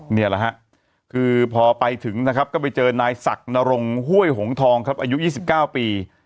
นี่แหละฮะคือพอไปถึงนะครับก็ไปเจอนายศักดิ์นรงห้วยหงทองครับอายุ๒๙ปี